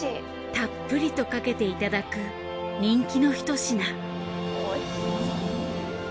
たっぷりとかけていただく人気のひと品。